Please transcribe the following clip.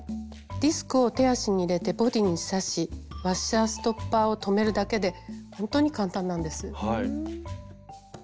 ディスクを手足に入れてボディーに差しワッシャーストッパーを留めるだけでほんとに簡単なんです。